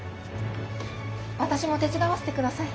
私も手伝わせてください。